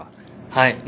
はい。